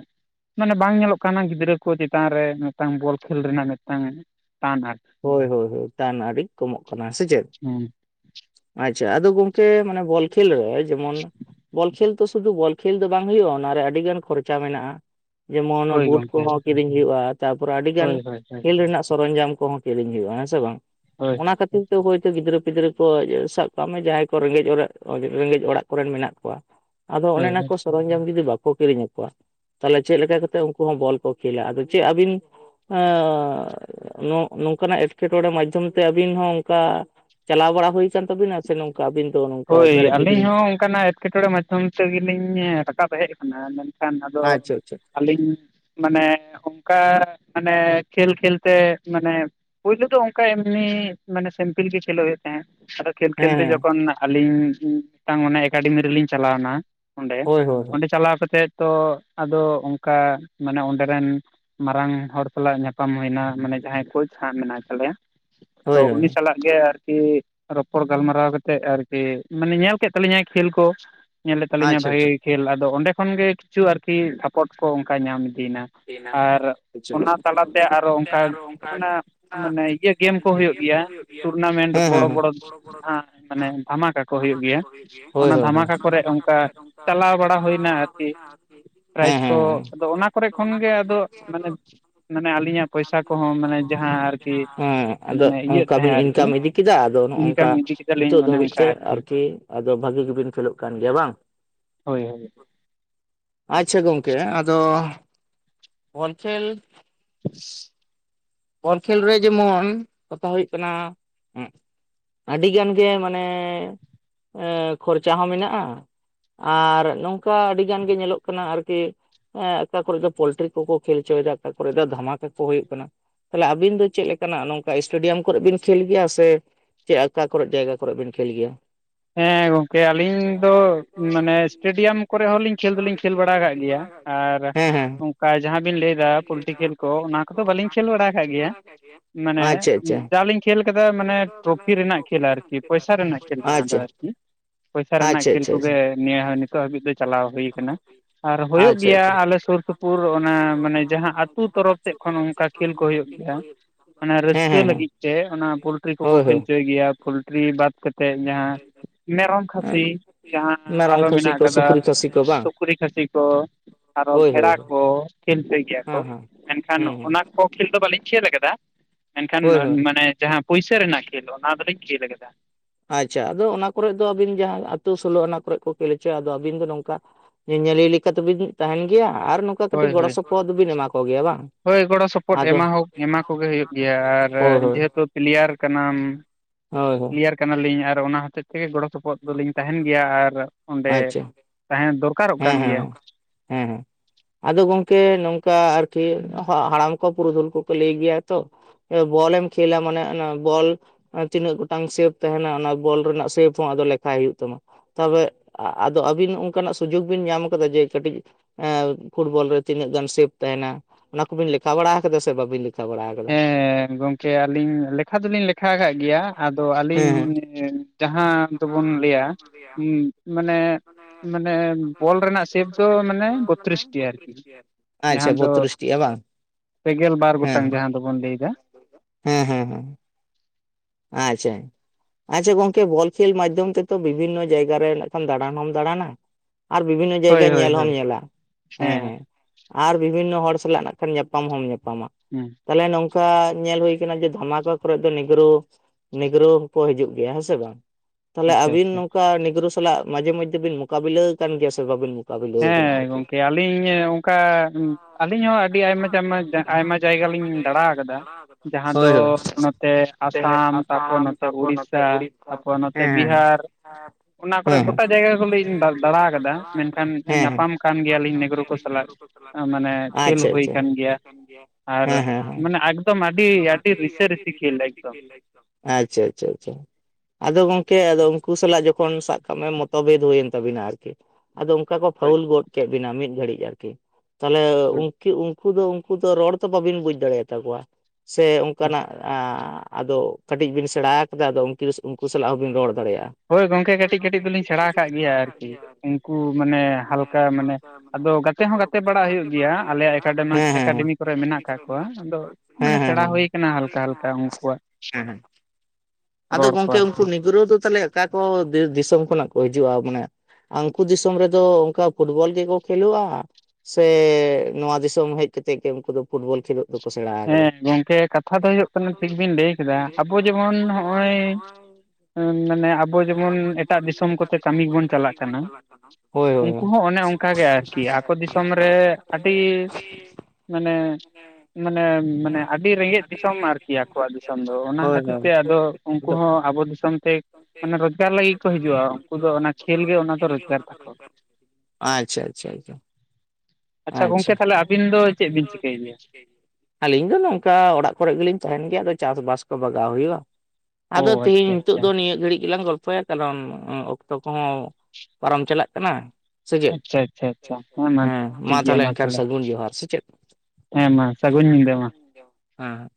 ᱢᱟᱱᱮ ᱵᱟᱝ ᱧᱮᱞᱚᱜ ᱠᱟᱱᱟ ᱜᱤᱫᱽᱨᱟᱹ ᱠᱚ ᱪᱮᱛᱟᱱ ᱨᱮ ᱢᱤᱫᱴᱟᱝ ᱵᱚᱞ ᱠᱷᱮᱞ ᱨᱮᱱᱟᱜ ᱢᱤᱫᱴᱟᱝ ᱛᱟᱱ ᱦᱚᱭ ᱦᱚᱭ ᱦᱚᱭ ᱛᱟᱱ ᱟᱹᱰᱤ ᱠᱚᱢᱚᱜ ᱠᱟᱱᱟ ᱥᱮ ᱪᱮᱫ? ᱦᱩᱸ ᱟᱪᱪᱷᱟ ᱟᱫᱚ ᱜᱚᱝᱠᱮ ᱢᱟᱱᱮ ᱵᱚᱞ ᱠᱷᱮᱞ ᱨᱮ ᱡᱮᱢᱚᱱ ᱵᱚᱞ ᱠᱷᱮᱞ ᱛᱚ ᱥᱩᱫᱩ ᱵᱚᱞ ᱠᱷᱮᱞ ᱫᱚ ᱵᱟᱝ ᱦᱩᱭᱩᱜᱼᱟ ᱚᱱᱟᱨᱮ ᱟᱹᱰᱤ ᱜᱟᱱ ᱠᱷᱚᱨᱪᱟ ᱢᱮᱱᱟᱜᱼᱟ ᱾ ᱡᱮᱢᱚᱱ ᱦᱳᱭ ᱵᱩᱴ ᱜᱚᱢᱠᱮ ᱠᱚᱦᱚᱸ ᱠᱤᱨᱤᱧ ᱦᱩᱭᱩᱜᱼᱟ ᱛᱟᱨᱯᱚᱨᱮ ᱟᱹᱰᱤ ᱜᱟᱱ ᱦᱳᱭ ᱦᱳᱭ ᱦᱳᱭ ᱠᱷᱮᱞ ᱨᱮᱱᱟᱜ ᱥᱚᱨᱚᱧᱡᱟᱢ ᱠᱚᱦᱚᱸ ᱠᱤᱨᱤᱧ ᱦᱩᱭᱩᱜᱼᱟ ᱦᱮᱸ ᱥᱮ ᱵᱟᱝ ᱦᱳᱭ ᱚᱱᱟ ᱠᱷᱟᱹᱛ ᱦᱚᱭ ᱛᱚ ᱚᱠᱚᱭ ᱪᱚ ᱜᱤᱫᱽᱨᱟᱹ ᱯᱤᱫᱽᱨᱟᱹ ᱠᱚ ᱥᱟᱵ ᱠᱟᱜ ᱢᱮ ᱡᱟᱦᱟᱸᱭ ᱠᱚ ᱨᱮᱸᱜᱮᱡ ᱚᱲᱮᱡ ᱨᱮᱸᱜᱮᱡ ᱚᱲᱟᱜ ᱠᱚᱨᱮᱱ ᱢᱮᱱᱟᱜ ᱠᱚᱣᱟ ᱾ ᱟᱫᱚ ᱚᱱᱮ ᱚᱱᱟ ᱦᱳᱭ ᱠᱚ ᱥᱚᱨᱚᱧᱡᱟᱢ ᱡᱩᱫᱤ ᱵᱟᱠᱚ ᱠᱤᱨᱤᱧᱟ ᱠᱚᱣᱟ ᱛᱟᱦᱞᱮ ᱪᱮᱫ ᱞᱮᱠᱟ ᱠᱟᱛᱮᱫ ᱩᱱᱠᱩ ᱦᱚᱸ ᱵᱚᱞ ᱠᱚ ᱠᱷᱮᱞᱟ ᱟᱫᱚ ᱪᱮᱫ ᱟᱹᱵᱤᱱ ᱟᱸᱜ ᱱᱚᱜ ᱱᱚᱝ ᱠᱟᱱᱟᱜ ᱮᱴᱠᱮᱴᱚᱬᱮ ᱢᱟᱫᱽᱫᱷᱚᱢ ᱛᱮ ᱟᱹᱵᱤᱱ ᱦᱚᱸ ᱚᱱᱠᱟ ᱪᱟᱞᱟᱣ ᱵᱟᱲᱟ ᱦᱩᱭᱠᱟᱱ ᱛᱟᱵᱤᱱᱟ ᱾ ᱥᱮ ᱱᱚᱝᱠᱟ ᱟᱹᱵᱤᱱ ᱫᱚ ᱱᱚᱝᱠᱟ ᱯᱮᱨᱮᱡ ᱜᱤᱵᱤᱱ ᱠᱟᱱᱟᱜ ᱮᱴᱠᱮᱴᱚᱬᱮ ᱢᱟᱫᱽᱫᱷᱚᱢ ᱛᱮᱜᱮ ᱞᱤᱧ ᱨᱟᱠᱟᱵ ᱦᱮᱡ ᱟᱠᱟᱱᱟ ᱢᱮᱱᱠᱷᱟᱱ ᱟᱫᱚ ᱟᱪᱪᱷᱟ ᱟᱪᱪᱷᱟ ᱟᱹᱞᱤᱧ ᱢᱟᱱᱮ ᱚᱱᱠᱟ ᱢᱟᱱᱮ ᱠᱷᱮᱞ ᱠᱷᱮᱞ ᱛᱮ ᱢᱟᱱᱮ ᱯᱩᱭᱞᱩ ᱫᱚ ᱚᱱᱠᱟ ᱮᱢᱱᱤ ᱢᱟᱱᱮ ᱥᱮᱢᱯᱤᱞ ᱜᱮ ᱠᱷᱮᱞᱚᱜ ᱦᱩᱭᱩᱜ ᱛᱟᱦᱮᱸᱫ ᱟᱫᱚ ᱠᱷᱮᱞ ᱠᱷᱮᱞ ᱦᱮᱸ ᱛᱮ ᱦᱮᱸ ᱡᱚᱠᱷᱚᱱ ᱟᱹᱞᱤᱧ ᱢᱤᱫᱴᱟᱝ ᱢᱟᱱᱮ ᱮᱠᱟᱰᱮᱢᱤ ᱨᱮᱞᱤᱧ ᱪᱟᱞᱟᱣᱱᱟ ᱚᱸᱰᱮ, ᱦᱳᱭ ᱦᱳᱭ ᱦᱳᱭ ᱚᱸᱰᱮ ᱪᱟᱞᱟᱣ ᱠᱟᱛᱮᱫ ᱛᱚ ᱟᱫᱚ ᱚᱱᱠᱟ ᱢᱟᱱᱮ ᱚᱸᱱᱰᱮ ᱨᱮᱱ ᱢᱟᱨᱟᱝ ᱦᱚᱲ ᱥᱟᱞᱟᱜ ᱧᱟᱯᱟᱢ ᱦᱩᱭᱮᱱᱟ ᱢᱟᱱᱮ ᱡᱟᱦᱟᱸᱭ ᱠᱚᱪ ᱦᱟᱸᱜ ᱢᱮᱱᱟᱭ ᱛᱟᱞᱮᱭᱟ ᱛᱚ ᱦᱳᱭ ᱩᱱᱤ ᱥᱟᱞᱟᱜ ᱜᱮ ᱟᱨᱠᱤ ᱨᱚᱯᱚᱲ ᱜᱟᱞᱢᱟᱨᱟᱣ ᱠᱟᱛᱮ ᱟᱨ ᱠᱤ ᱢᱟᱱᱮ ᱧᱮᱞ ᱠᱮᱫ ᱛᱟᱹᱞᱤᱧᱟᱭ ᱠᱷᱮᱞ ᱠᱚ ᱧᱮᱞᱮᱫ ᱛᱟᱹᱞᱤᱧᱟ ᱟᱪᱪᱷᱟ ᱟᱪᱪᱷᱟ ᱵᱷᱟᱜᱮ ᱠᱷᱮᱞ ᱟᱫᱚ ᱚᱸᱰᱮ ᱠᱷᱚᱱ ᱜᱮ ᱠᱤᱪᱷᱩ ᱟᱨᱠᱤ ᱥᱟᱯᱚᱴ ᱠᱚ ᱚᱱᱠᱟ ᱧᱟᱢ ᱤᱫᱤᱭᱮᱱᱟ ᱾ ᱟᱨ ᱟᱪᱪᱷᱟ ᱚᱱᱟ ᱛᱟᱞᱟᱛᱮ ᱟᱨᱚ ᱚᱱᱠᱟ ᱚᱱᱟ ᱢᱟᱱᱮ ᱤᱭᱟᱹ ᱜᱮᱢ ᱠᱚ ᱦᱩᱭᱩᱜ ᱜᱮᱭᱟ ᱾ ᱴᱩᱨᱱᱟᱢᱮᱱᱴ ᱦᱮᱸ ᱵᱚᱲᱚ ᱦᱮᱸ ᱵᱚᱲᱚ ᱦᱮᱸ ᱢᱟᱱᱮ, ᱫᱷᱟᱢᱟᱠᱟ ᱠᱚ ᱦᱳᱭᱳᱜ ᱜᱮᱭᱟ ᱦᱳᱭ ᱚᱱᱟ ᱦᱳᱭ ᱦᱮᱸ ᱫᱷᱟᱢᱟᱠᱟ ᱠᱚᱨᱮ ᱚᱱᱠᱟ ᱵᱟᱲᱟ ᱦᱳᱭᱱᱟ ᱟᱨᱠᱤ, ᱯᱨᱟᱭᱤᱡ ᱠᱚ ᱟᱫᱚ ᱚᱱᱟ ᱠᱚᱨᱮ, ᱚᱱᱟ ᱠᱚᱨᱮ ᱠᱷᱚᱱ ᱜᱮ ᱟᱫᱚ ᱢᱟᱱᱮ ᱟᱹᱞᱤᱧᱟᱜ ᱠᱚᱦᱚᱸ ᱯᱚᱭᱥᱟ ᱠᱚ ᱦᱚᱸ ᱡᱟᱦᱟᱸ ᱢᱟᱱᱮ ᱟᱨᱠᱤ ᱡᱟᱦᱟᱸ, ᱟᱫᱚ ᱢᱟᱱᱮ ᱤᱭᱟᱹᱜ ᱚᱝᱠᱟ ᱵᱤᱱ ᱛᱟᱦᱮᱸᱜ ᱟᱨᱠᱤ ᱤᱱᱠᱟᱢ ᱤᱫᱤ ᱠᱮᱫᱟ ᱟᱫᱚ ᱱᱚᱜ-ᱚ ᱱᱚᱝᱠᱟ ᱤᱱᱠᱟᱢ ᱤᱫᱤ ᱠᱮᱫᱟᱞᱤᱧ ᱱᱤᱛᱚᱜ ᱚᱱᱮ ᱫᱷᱟᱹᱵᱤᱡ, ᱪᱮᱫ ᱚᱱᱠᱟ ᱟᱨᱠᱤ ᱟᱫᱚ ᱵᱷᱟᱹᱜᱤ ᱜᱤᱵᱤᱱ ᱠᱷᱞᱳᱜ ᱠᱟᱱ ᱜᱮᱭᱟ ᱵᱟᱝ? ᱦᱳᱭ ᱦᱳᱭ, ᱟᱪᱪᱷᱟ, ᱜᱚᱢᱠᱮ ᱟᱫᱚ ᱵᱚᱞ ᱠᱷᱮᱞ, [unintelligible] ᱵᱚᱞ ᱠᱷᱮᱞ ᱨᱮ ᱡᱮᱢᱳᱱ ᱠᱟᱛᱷᱟ ᱦᱩᱭᱩᱜ ᱠᱟᱱᱟ, ᱟᱹᱰᱤ ᱜᱮ ᱢᱟᱱᱮ ᱠᱷᱚᱨᱪᱟ ᱦᱚᱸ ᱢᱮᱱᱟᱜᱼᱟ ᱾ ᱟᱨ ᱱᱚᱝᱠᱟ ᱟᱹᱰᱤ ᱜᱟᱱ ᱜᱮ ᱧᱮᱞᱚᱜ ᱠᱟᱱᱟ ᱟᱨᱠᱤ, ᱦᱮᱸ ᱚᱠᱟ ᱠᱚᱨᱮ ᱪᱚ ᱯᱚᱞᱴᱨᱤ ᱠᱚ ᱠᱚ ᱠᱷᱮᱞ ᱦᱚᱪᱚᱭᱮᱫᱟ ᱚᱠᱟ ᱠᱚᱨᱮ ᱫᱚ ᱫᱷᱟᱢᱟᱠᱟ ᱠᱚ ᱦᱳᱭᱳᱜ ᱠᱟᱱᱟ ᱾ ᱛᱟᱦᱞᱮ ᱟᱹᱵᱤᱱ ᱫᱚ ᱪᱮᱫ ᱞᱮᱠᱟᱱᱟᱜ ᱱᱚᱝᱠᱟ ᱮᱥᱴᱮᱰᱤᱭᱟᱢ ᱠᱚᱨᱮ ᱵᱤᱱ ᱠᱷᱮᱞ ᱜᱮᱭᱟ ᱥᱮ? ᱪᱮᱫ ᱚᱠᱟ ᱠᱚᱨᱮᱫ ᱡᱟᱭᱜᱟ ᱠᱚᱨᱮ ᱵᱤᱱ ᱠᱷᱮᱞ ᱜᱮᱭᱟ? ᱦᱮᱸ, ᱜᱚᱢᱠᱮ ᱟᱹᱞᱤᱧ ᱫᱚ ᱢᱟᱱᱮ ᱮᱥᱴᱮᱰᱤᱭᱟᱢ ᱠᱚᱨᱮ ᱦᱚᱸᱞᱤᱧ ᱠᱷᱮᱞ ᱫᱚᱞᱤᱧ ᱠᱷᱮᱞ ᱵᱟᱲᱟ ᱠᱟᱜ ᱜᱮᱭᱟ ᱾ ᱟᱨ ᱦᱮᱸ ᱦᱮᱸ ᱚᱝᱠᱟ ᱡᱟᱦᱟᱸ ᱵᱤᱱ ᱞᱟᱹᱭ ᱮᱫᱟ ᱯᱚᱞᱴᱨᱤ ᱠᱷᱮᱞ ᱠᱚ ᱚᱱᱟ ᱠᱚ ᱫᱚ ᱵᱟᱹᱞᱤᱧ ᱠᱷᱮᱞᱟ ᱠᱷᱮᱞ ᱵᱟᱲᱟ ᱠᱟᱜ ᱜᱮᱭᱟ ᱢᱟᱱᱮ ᱟᱪᱪᱷᱟ ᱟᱪᱪᱷᱟ ᱡᱟ ᱞᱤᱧ ᱠᱷᱮᱞ ᱟᱠᱟᱫᱟ ᱢᱟᱱᱮ ᱴᱨᱚᱯᱷᱤ ᱨᱮᱱᱟᱜ ᱠᱷᱮᱞ ᱟᱨᱠᱤ ᱾ ᱯᱚᱭᱥᱟ ᱨᱮᱱᱟᱜ ᱠᱷᱮᱞ ᱡᱟᱦᱟᱸ ᱫᱚ ᱟᱪᱪᱷᱟ ᱟᱪᱪᱷᱟ ᱟᱨᱠᱤ, ᱯᱚᱭᱥᱟ ᱨᱮᱱᱟᱜ ᱠᱷᱮᱞ ᱟᱪᱪᱷᱟ ᱠᱚᱜᱮ ᱱᱤᱭᱟᱹ ᱱᱤᱛᱚᱜ ᱦᱟᱹᱵᱤᱡ ᱫᱚ ᱪᱟᱞᱟᱣ ᱦᱳᱭᱟ ᱠᱟᱱᱟ ᱟᱨ ᱦᱳᱭᱳᱜ ᱟᱪᱪᱷᱟ ᱜᱮᱭᱟ ᱟᱪᱪᱷᱟ ᱟᱞᱮ ᱥᱳᱨ ᱥᱳᱯ ᱯᱩᱨ ᱚᱱᱟ ᱢᱟᱱᱮ ᱡᱟᱦᱟᱸ ᱟᱛᱳ ᱛᱚᱨᱚᱯᱷ ᱥᱮᱫ ᱠᱷᱚᱱ ᱚᱝᱠᱟ, ᱠᱷᱮᱞ ᱠᱚ ᱦᱳᱭᱳᱜ ᱜᱮᱭᱟ ᱚᱱᱟ ᱦᱮᱸ ᱨᱟᱹᱥᱠᱟᱹ ᱦᱮᱸ ᱦᱮᱸ ᱞᱟᱹᱜᱤᱫ ᱪᱮ ᱚᱱᱟ ᱯᱳᱞᱴᱨᱤ ᱠᱚ ᱠᱚ ᱦᱳᱭ ᱠᱷᱮᱞ ᱦᱳᱭ ᱚᱪᱚ ᱚᱪᱚᱭ ᱜᱮᱭᱟ ᱯᱳᱞᱴᱨᱤ ᱵᱟᱫ ᱠᱟᱛᱮᱫ ᱡᱟᱦᱟᱸ, ᱢᱮᱨᱚᱢ ᱠᱷᱟᱹᱥᱤ ᱡᱟᱦᱟᱸ ᱟᱨ ᱢᱮᱨᱚᱢ ᱦᱚᱸ ᱠᱷᱟᱹᱥᱤ ᱢᱮᱱᱟᱜ ᱠᱚ ᱟᱠᱟᱫᱟ ᱥᱩᱠᱨᱤ ᱠᱷᱟᱹᱥᱤ ᱠᱚ ᱵᱟᱝ ᱥᱩᱠᱨᱤ ᱠᱷᱟᱹᱥᱤ ᱠᱚ ᱟᱨ ᱦᱚᱸ ᱦᱳᱭ ᱦᱳᱭ ᱵᱷᱮᱲᱟ ᱠᱚ ᱦᱮᱸ ᱠᱷᱮᱞ ᱦᱚᱪᱚᱭ ᱜᱮᱭᱟ ᱠᱚ ᱦᱮᱸ ᱮᱱᱠᱷᱟᱱ, ᱦᱮᱸ ᱦᱮᱸ ᱚᱱᱟ ᱠᱚ ᱠᱷᱮᱞ ᱫᱚ ᱵᱟᱹᱞᱤᱧ ᱠᱷᱮᱞ ᱟᱠᱟᱫᱟ, ᱢᱮᱱ ᱠᱷᱟᱱ ᱦᱳᱭ ᱦᱳᱭ ᱢᱟᱱᱮ ᱡᱟᱦᱟᱸ ᱯᱩᱭᱥᱟᱹ ᱨᱮᱱᱟᱜ ᱠᱷᱮᱞ ᱚᱱᱟ ᱫᱚᱞᱤᱧ ᱠᱷᱮᱞ ᱟᱠᱟᱫᱟ ᱾ ᱟᱪᱪᱷᱟ, ᱟᱫᱚ ᱚᱱᱟ ᱠᱚᱨᱮᱜ ᱫᱚ ᱟᱹᱵᱤᱱ ᱡᱟᱦᱟᱸ ᱟᱛᱳ ᱥᱳᱞᱳ ᱟᱱᱟ ᱠᱚᱨᱮ ᱠᱚ ᱠᱷᱮᱞ ᱦᱚᱪᱚᱣᱟ ᱟᱫᱚ ᱟᱹᱵᱤᱱ ᱫᱚ ᱱᱚᱝᱠᱟ, ᱧᱮᱧᱮᱞᱤᱭᱟᱹ ᱞᱮᱠᱟ ᱛᱚᱵᱮ ᱵᱤᱱ ᱛᱟᱦᱮᱱ ᱜᱮᱭᱟ ᱟᱨ ᱱᱚᱝᱠᱟ ᱦᱳᱭ ᱠᱟᱹᱴᱤᱡ ᱜᱚᱲᱚ ᱦᱳᱭ ᱥᱚᱯᱚᱦᱚᱫ ᱫᱚᱵᱤᱱ ᱮᱢᱟ ᱠᱚᱜᱮᱭᱟ ᱵᱟᱝ? ᱦᱳᱭ ᱜᱚᱲᱚ ᱥᱚᱯᱚᱦᱚᱫ ᱟᱫᱚ ᱦᱚᱸ ᱮᱢᱟ ᱠᱚᱜᱮ ᱦᱳᱭᱳᱜ ᱜᱮᱭᱟ ᱟᱨ ᱦᱳᱭ ᱦᱳᱭ ᱡᱮᱦᱮᱛᱩ ᱯᱞᱮᱭᱟᱨ ᱠᱟᱱᱟᱢ, ᱦᱳᱭ ᱜᱚ ᱯᱞᱤᱭᱟᱨ ᱠᱟᱱᱟᱞᱤᱧ ᱟᱨ ᱚᱱᱟ ᱦᱚᱛᱮᱡ ᱛᱮ ᱜᱮ ᱜᱚᱲᱚ ᱥᱚᱯᱚᱦᱚᱫ ᱫᱚᱞᱤᱧ ᱛᱟᱦᱮᱱ ᱜᱮᱭᱟ ᱟᱨ ᱚᱸᱰᱮ ᱟᱪᱪᱷᱟ ᱛᱟᱦᱮᱸ ᱫᱚᱨᱠᱟᱨᱚᱜ ᱦᱮᱸ ᱠᱟᱱ ᱦᱮᱸ ᱜᱮᱭᱟ ᱾ ᱦᱮᱸ ᱦᱮᱸ, ᱟᱫᱚ ᱜᱚᱢᱠᱮ ᱱᱚᱝᱠᱟ ᱟᱨᱠᱤ ᱦᱟᱲᱟᱢ ᱠᱚ ᱯᱩᱨᱩᱫᱷᱩᱞ ᱠᱚ ᱠᱚ ᱞᱟᱹᱭ ᱜᱮᱭᱟ ᱛᱚ, ᱵᱚᱞᱮᱢ ᱠᱷᱮᱞᱟ ᱢᱟᱱᱮ ᱚᱱᱟ ᱵᱚᱞ ᱛᱤᱱᱟᱹᱜ ᱜᱚᱴᱟᱝ ᱥᱮᱯ ᱛᱟᱦᱮᱱᱟ ᱚᱱᱟ ᱵᱚᱞ ᱨᱮᱱᱟᱜ ᱥᱮᱯ ᱛᱚᱸ ᱟᱫᱚ ᱞᱮᱠᱷᱟᱭ ᱦᱳᱭᱳᱜ ᱛᱟᱢᱟ ᱛᱚᱵᱮ ᱟᱫᱚ ᱟᱹᱵᱤᱱ ᱚᱱᱠᱟᱱᱟᱜ ᱥᱩᱡᱳᱜ ᱵᱤᱱ ᱧᱟᱢ ᱠᱟᱫᱟ ᱡᱮ ᱠᱟᱹᱴᱤᱡ ᱯᱷᱩᱴᱵᱚᱞ ᱨᱮ ᱛᱤᱱᱟᱹᱜ ᱜᱟᱱ ᱥᱮᱯ ᱛᱟᱦᱮᱱᱟ ᱚᱱᱟ ᱠᱚᱵᱤᱱ ᱞᱮᱠᱷᱟ ᱵᱟᱲᱟ ᱟᱠᱟᱫᱟ ᱥᱮ ᱵᱟᱹᱵᱤᱱ ᱞᱮ ᱦᱮᱸ, ᱜᱚᱢᱠᱮ ᱟᱹᱞᱤᱧ ᱞᱮᱠᱷᱟ ᱫᱚᱞᱤᱧ ᱞᱮᱠᱷᱟ ᱟᱠᱟᱫ ᱜᱮᱭᱟ, ᱟᱫᱚ ᱦᱮᱸ ᱦᱮᱸ ᱟᱹᱞᱤᱧ ᱡᱟᱦᱟᱸ ᱫᱚᱵᱚᱱ ᱞᱟᱹᱭᱟ, ᱢᱟᱱᱮ ᱢᱟᱱᱮ ᱵᱚᱞ ᱨᱮᱱᱟᱜ ᱥᱮᱯ ᱫᱚ ᱢᱟᱱᱮ ᱵᱚᱛᱛᱨᱤᱥᱴᱤ ᱟᱨᱠᱤ, ᱟᱪᱪᱷᱟ ᱡᱟᱦᱟᱸ ᱫᱚ ᱵᱚᱛᱨᱤᱥᱴᱤᱜᱼᱟ ᱵᱟᱝ ᱯᱮᱜᱮᱞ ᱵᱟᱨ ᱜᱚᱴᱟᱝ ᱡᱟᱦᱟᱸ ᱫᱚᱵᱚᱱ ᱞᱟᱹᱭᱫᱟ, ᱦᱩᱸ ᱦᱩᱸ ᱦᱩᱸ, ᱟᱪᱪᱷᱟᱭ, ᱟᱪᱪᱷᱟ ᱜᱚᱝᱠᱮ ᱵᱚᱞ ᱠᱷᱮᱞ ᱢᱟᱫᱽᱫᱷᱚᱢ ᱛᱮᱛᱚ ᱵᱤᱵᱷᱤᱱᱱᱚ ᱡᱟᱭᱜᱟᱨᱮ ᱫᱟᱬᱟ ᱦᱚᱢ ᱫᱟᱬᱟᱱᱟ᱾ ᱟᱨ ᱵᱤᱵᱷᱤᱱᱚ ᱦᱳᱭ ᱡᱟᱭᱜᱟ ᱦᱳᱭ ᱧᱮᱞ ᱦᱚᱢ ᱦᱳᱭ ᱧᱮᱞᱟ ᱦᱮᱸ ᱦᱮᱸ᱾ ᱟᱨ ᱵᱤᱵᱷᱤᱱᱱᱚ ᱦᱚᱲ ᱥᱟᱞᱟᱜ ᱱᱟᱜ ᱠᱷᱟᱱ ᱧᱟᱯᱟᱢ ᱦᱚᱢ ᱧᱟᱯᱟᱢᱟ᱾ ᱦᱮᱸ ᱛᱟᱦᱚᱞᱮ ᱱᱚᱝᱠᱟ ᱧᱮᱞ ᱦᱩᱭ ᱟᱠᱟᱱᱟ ᱡᱮ ᱫᱷᱟᱢᱟᱠᱟ ᱠᱚᱨᱮ ᱫᱚ ᱱᱤᱜᱽᱨᱳ ᱱᱤᱜᱽᱨᱳ ᱦᱚᱸ ᱠᱚ ᱦᱤᱡᱩᱜ ᱜᱮᱭᱟ ᱦᱮᱸᱥᱮ ᱵᱟᱝ, ᱛᱟᱞᱮ ᱟᱪᱪᱷᱟ ᱟᱵᱤᱱ ᱟᱪᱪᱷᱟ ᱱᱚᱝᱠᱟ ᱱᱤᱜᱽᱨᱳ ᱛᱟᱦᱚᱞᱮ ᱢᱟᱡᱷᱮ ᱢᱚᱫᱽᱫᱷᱮ ᱛᱮᱵᱤᱱ ᱢᱩᱳᱠᱟᱵᱤᱞᱟ ᱠᱟᱱ ᱜᱮᱭᱟ ᱥᱮ ᱵᱟᱵᱤᱱ ᱢᱳᱠᱟᱵᱤᱞᱟᱹ ᱟᱠᱟᱱᱟ ᱦᱮᱸ ᱟᱨᱠᱤ ᱜᱚᱢᱠᱮ ᱟᱹᱞᱤᱧ ᱚᱱᱠᱟ ᱟᱹᱞᱤᱧ ᱦᱚᱸ ᱟᱹᱰᱤ ᱟᱭᱢᱟ ᱴᱟᱭᱢᱟ [inaudible] ᱟᱭᱢᱟ ᱡᱟᱭᱜᱟ ᱞᱤᱧ ᱫᱟᱬᱟ ᱟᱠᱟᱫᱟ ᱡᱟᱸᱦᱟᱸ ᱦᱳᱭ ᱫᱚ ᱦᱳᱭ ᱱᱚᱛᱮ ᱟᱥᱟᱢ ᱛᱟᱯᱚᱨ ᱱᱚᱛᱮ ᱩᱲᱤᱥᱟ ᱛᱟᱯᱚᱨ ᱱᱚᱛᱮ ᱦᱮᱸ ᱵᱤᱦᱟᱨ᱾ ᱚᱱᱟ ᱠᱚᱨᱮ ᱦᱮᱸ ᱜᱚᱴᱟ ᱡᱟᱭᱜᱟ ᱠᱚᱞᱤᱧ ᱫᱟᱬᱟ ᱟᱠᱟᱫᱟ ᱢᱮᱱᱠᱷᱟᱱ ᱦᱮᱸ ᱦᱮᱸ ᱦᱮᱸ ᱧᱟᱯᱟᱢ ᱠᱟᱱ ᱜᱮᱭᱟᱞᱤᱧ ᱱᱮᱜᱨᱳ ᱠᱚ ᱥᱟᱞᱟᱜ ᱢᱟᱱᱮ ᱠᱷᱮᱞ ᱟᱪᱪᱷᱟ ᱦᱩᱭ ᱟᱪᱪᱷᱟ ᱟᱠᱟᱱ ᱜᱮᱭᱟ᱾ ᱟᱨ ᱦᱮᱸ ᱦᱮᱸ ᱦᱮᱸ ᱢᱟᱱᱮ ᱮᱠᱫᱚᱢ ᱟᱹᱰᱤ ᱟᱹᱰᱤ ᱨᱤᱥᱟᱹ ᱨᱤᱥᱤ ᱠᱷᱮᱞ ᱮᱠᱫᱚᱢ᱾ ᱟᱪᱪᱷᱟ ᱟᱪᱪᱷᱟ ᱟᱪᱷᱟ ᱟᱫᱚ ᱜᱚᱝᱠᱮ ᱟᱫᱚ ᱩᱱᱠᱩ ᱥᱟᱞᱟᱜ ᱡᱚ ᱠᱷᱚᱱ ᱥᱟᱵ ᱠᱟᱜ ᱢᱮ ᱢᱚᱛᱚᱵᱮᱫ ᱦᱩᱭᱮᱱ ᱛᱟᱵᱤᱱᱟ ᱟᱨᱠᱤ᱾ ᱟᱫᱚ ᱚᱱᱠᱟ ᱠᱚ ᱦᱳᱭ ᱯᱷᱟᱹᱣᱩᱞ ᱜᱚᱫ ᱠᱮᱫ ᱵᱤᱱᱟ ᱢᱤᱫ ᱜᱷᱟᱹᱲᱤᱡ ᱟᱨᱠᱤ, ᱛᱟᱦᱚᱞᱮ ᱦᱳᱭ ᱩᱱ ᱠᱤ ᱩᱱᱠᱩ ᱫᱚ ᱩᱱᱠᱩ ᱫᱚ ᱨᱚᱲ ᱛᱚ ᱵᱟᱹᱵᱤᱱ ᱵᱩᱡᱽ ᱫᱟᱲᱮᱭᱟ ᱛᱟᱠᱚᱣᱟ ᱥᱮ ᱦᱳᱭ ᱚᱱᱠᱟᱱᱟᱜ ᱟᱸᱻ᱾ ᱟᱫᱚ ᱠᱟᱹᱴᱤᱡ ᱵᱤᱱ ᱥᱮᱬᱟ ᱟᱠᱟᱫᱟ ᱟᱫᱚ ᱩᱱ ᱠᱤ ᱩᱱᱠᱩ ᱥᱟᱞᱟᱜ ᱦᱚᱸᱵᱤᱱ ᱨᱚᱲ ᱫᱟᱲᱮᱭᱟᱜᱼᱟ? ᱦᱳᱭ ᱜᱚᱝᱠᱮ ᱠᱟᱹᱴᱤᱡ ᱠᱟᱹᱴᱤᱡ ᱫᱚᱞᱤᱧ ᱥᱮᱬᱟ ᱟᱠᱟᱜ ᱜᱮᱭᱟ ᱟᱨᱠᱤ ᱩᱱᱠᱩ ᱢᱟᱱᱮ ᱦᱟᱞᱠᱟ ᱢᱟᱱᱮ ᱟᱫᱚ ᱜᱟᱛᱮ ᱦᱚᱸ ᱜᱟᱛᱮ ᱵᱟᱲᱟ ᱦᱩᱭᱩᱜ ᱜᱮᱭᱟ, ᱟᱞᱮᱭᱟᱜ ᱮᱠᱟᱰᱮᱢᱟ ᱮᱠᱥᱰᱮᱢᱤ ᱠᱚᱨᱮ ᱢᱮᱱᱟᱜ ᱠᱟᱜ ᱠᱚᱣᱟ, ᱟᱫᱚ ᱢᱟᱱᱮ ᱦᱮᱸ ᱦᱮᱸ ᱥᱮᱬᱟ ᱦᱩᱭ ᱠᱟᱱᱟ ᱦᱟᱞᱠᱟ ᱦᱟᱞᱠᱟ ᱩᱱᱠᱩᱣᱟᱜ᱾ ᱦᱮᱸ ᱟᱫᱚ ᱨᱚᱲ ᱠᱚ ᱜᱚᱝᱠᱮ ᱩᱱᱠᱩ ᱟᱨᱠᱤ ᱱᱤᱜᱨᱳ ᱫᱚ ᱛᱟᱦᱚᱞᱮ ᱚᱠᱟ ᱠᱚ ᱫᱮᱥ ᱫᱤᱥᱚᱢ ᱠᱷᱚᱱᱟᱜ ᱠᱚ ᱦᱤᱡᱩᱜᱼᱟ ᱢᱟᱱᱮ? ᱟᱝᱱᱠᱩ ᱫᱤᱥᱚᱢ ᱨᱮᱫᱚ ᱚᱱᱠᱟ ᱯᱷᱩᱴᱵᱚᱞ ᱜᱮᱠᱚ ᱠᱷᱮᱞᱳᱜᱼᱟ? ᱥᱮ ᱱᱚᱣᱟ ᱫᱤᱥᱚᱢ ᱦᱮᱡ ᱠᱟᱛᱮᱫ ᱜᱮ ᱩᱱᱠᱩ ᱫᱚ ᱯᱷᱩᱴᱵᱚᱞ ᱠᱷᱮᱞᱳᱜ ᱫᱚᱠᱚ ᱥᱮᱬᱟ ᱟᱠᱟᱫᱟ ᱦᱮᱸ ᱜᱚᱝᱠᱮ ᱠᱟᱛᱷᱟ ᱫᱚ ᱦᱩᱭᱩᱜ ᱠᱟᱱᱟ ᱴᱷᱤᱠ ᱵᱤᱱ ᱞᱟᱹᱭ ᱠᱮᱫᱟ ᱟᱵᱚ ᱡᱮᱢᱚᱱ ᱦᱚᱸᱜᱼᱚᱭ ᱢᱟᱱᱮ ᱟᱵᱚ ᱡᱮᱢᱚᱱ ᱮᱴᱟᱜ ᱫᱤᱥᱚᱢ ᱠᱚᱛᱮ ᱠᱟᱹᱢᱤ ᱵᱚᱱ ᱪᱟᱞᱟᱜ ᱠᱟᱱᱟ᱾ ᱦᱳᱭ ᱦᱳᱭ ᱩᱱᱠᱩ ᱦᱚᱸ ᱚᱱᱮ ᱚᱱᱠᱟ ᱜᱮ ᱟᱨᱠᱤ, ᱟᱠᱚ ᱫᱤᱥᱚᱢ ᱨᱮ ᱟᱹᱰᱤ ᱢᱟᱱᱮ, ᱢᱟᱱᱮ ᱢᱟᱱᱮ ᱟᱹᱰᱤ ᱨᱮᱸᱜᱮᱡ ᱫᱤᱥᱚᱢ ᱟᱨᱠᱤ ᱟᱠᱚᱣᱟᱜ ᱫᱤᱥᱚᱢ ᱫᱚ, ᱚᱱᱟ ᱦᱳᱭ ᱠᱷᱟᱹᱛᱤᱨ ᱛᱮ ᱟᱫᱚ ᱩᱱᱠᱩ ᱦᱚᱸ ᱟᱵᱚ ᱫᱤᱥᱚᱢ ᱛᱮ ᱢᱟᱱᱮ ᱨᱚᱡᱽᱜᱟᱨ ᱞᱟᱹᱜᱤᱫ ᱠᱚ ᱦᱤᱡᱩᱜᱼᱟ, ᱩᱱᱠᱩ ᱫᱚ ᱚᱱᱟ ᱠᱷᱮᱞ ᱜᱮ ᱚᱱᱟ ᱫᱚ ᱨᱚᱡᱽᱜᱟᱨ ᱛᱟᱠᱚ᱾ ᱟᱪᱪᱷᱟ ᱟᱪᱪᱷᱟ ᱟᱪᱪᱷᱟ᱾ ᱟᱪᱪᱷᱟ ᱜᱚᱝᱠᱮ ᱛᱟᱦᱚᱞᱮ ᱟᱵᱤᱱ ᱫᱚ ᱪᱮᱫ ᱵᱤᱱ ᱪᱤᱠᱟᱹᱭ ᱜᱮᱭᱟ? ᱟᱹᱞᱤᱧ ᱫᱚ ᱱᱚᱝᱠᱟ ᱚᱲᱟᱜ ᱠᱚᱨᱮ ᱜᱮᱞᱤᱧ ᱛᱟᱦᱮᱱ ᱜᱮᱭᱟ, ᱟᱫᱚ ᱪᱟᱥᱵᱟᱥ ᱠᱚ ᱵᱟᱜᱟᱣ ᱦᱩᱭᱩᱜᱼᱟ᱾ ᱟᱫᱚ ᱚ ᱛᱮᱦᱤᱧ ᱟᱪᱪᱷᱟ ᱱᱤᱛᱚᱜ ᱟᱪᱪᱷᱟ ᱫᱚ ᱱᱤᱭᱟᱹ ᱜᱷᱟᱹᱲᱤᱡ ᱜᱮᱞᱟᱝ ᱜᱚᱞ ᱯᱨᱟᱭ ᱠᱟᱨᱚᱱ ᱚᱠᱛᱚ ᱠᱚᱦᱚᱸ ᱯᱟᱨᱚᱢ ᱪᱟᱞᱟᱜ ᱠᱟᱱᱟ᱾ ᱥᱮᱪᱮᱫ? ᱟᱪᱪᱷᱟ ᱟᱪᱪᱷᱟ ᱟᱪᱪᱷᱟ ᱢᱟ ᱦᱮᱸ ᱢᱟ ᱴᱷᱤᱠ ᱜᱮᱭᱟ ᱛᱟᱦᱚᱞᱮ ᱮᱱᱠᱷᱟᱱ ᱥᱟᱹᱜᱩᱱ ᱡᱚᱦᱟᱨ ᱥᱮᱪᱮᱫ? ᱦᱮᱸ ᱢᱟ ᱥᱟᱹᱜᱩᱱ ᱧᱤᱫᱟᱹ ᱢᱟ᱾ ᱦᱮᱸ᱾